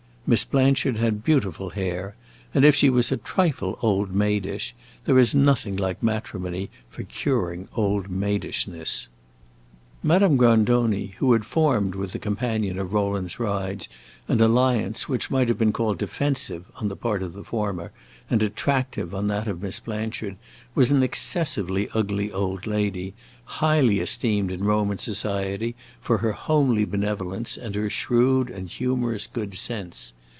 Miss Blanchard had beautiful hair, and if she was a trifle old maidish, there is nothing like matrimony for curing old maidishness. Madame Grandoni, who had formed with the companion of Rowland's rides an alliance which might have been called defensive on the part of the former and attractive on that of Miss Blanchard, was an excessively ugly old lady, highly esteemed in Roman society for her homely benevolence and her shrewd and humorous good sense.